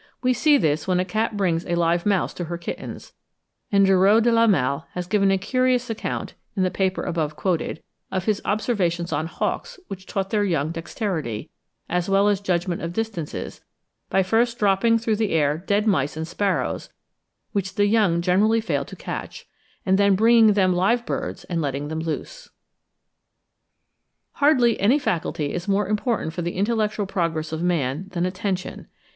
We see this when a cat brings a live mouse to her kittens; and Dureau de la Malle has given a curious account (in the paper above quoted) of his observations on hawks which taught their young dexterity, as well as judgment of distances, by first dropping through the air dead mice and sparrows, which the young generally failed to catch, and then bringing them live birds and letting them loose. Hardly any faculty is more important for the intellectual progress of man than ATTENTION.